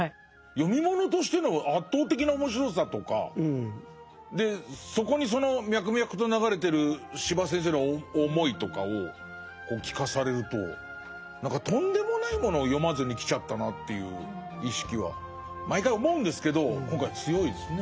読み物としての圧倒的な面白さとかそこにその脈々と流れてる司馬先生の思いとかを聞かされると何かとんでもないものを読まずにきちゃったなっていう意識は毎回思うんですけど今回強いですね。